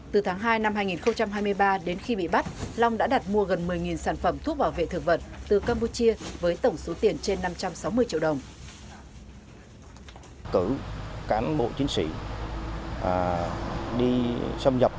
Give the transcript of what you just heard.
từ tháng hai năm hai nghìn hai mươi ba đến khi bị bắt long đã đặt mua gần một mươi sản phẩm thuốc bảo vệ thực vật từ campuchia với tổng số tiền trên năm trăm sáu mươi triệu đồng